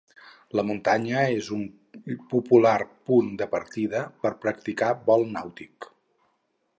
La muntanya és un popular punt de partida per practicar vol nàutic.